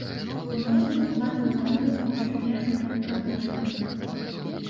У магілу клалі бытавыя рэчы, ежу, упрыгожванні.